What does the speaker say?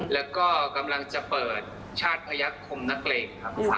แล้วก็กำลังจะเปิดชาติพระยักษ์คมนักเรง